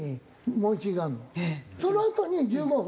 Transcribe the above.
そのあとに１５分。